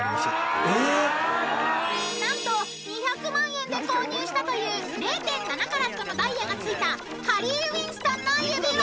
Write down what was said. ［何と２００万円で購入したという０．７カラットのダイヤが付いたハリー・ウィンストンの指輪。